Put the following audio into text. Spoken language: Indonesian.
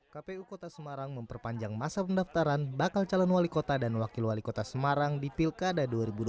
kpu kota semarang memperpanjang masa pendaftaran bakal calon wali kota dan wakil wali kota semarang di pilkada dua ribu dua puluh